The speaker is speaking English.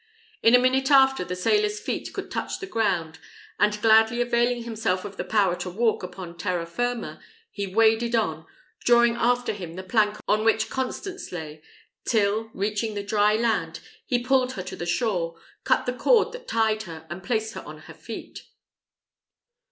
In a minute after, the sailor's feet could touch the ground; and gladly availing himself of the power to walk upon terra firma, he waded on, drawing after him the plank on which Constance lay till, reaching the dry land, he pulled her to the shore, cut the cord that tied her, and placed her on her feet.